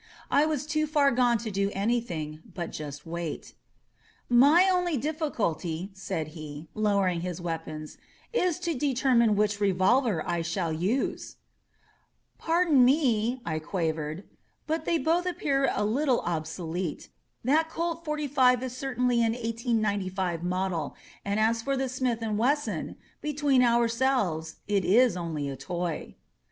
I was too far gone to do anything but just wait. "My only difficulty," said he, lowering his weapons, is to determine which revolver I shall use." "Pardon me," I quavered, but they both appear a little obsolete. That Colt forty five is certainly an 1895 model, and as for the Smith and Wesson, between ourselves it is only a toy."